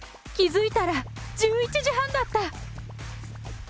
気付いたら１１時半だった。